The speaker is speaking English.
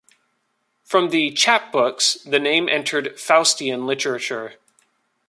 From the chapbooks, the name entered Faustian literature.